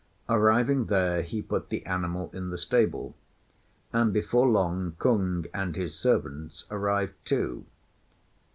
Arriving there he put the animal in the stable, and before long Kung and his servants arrived too.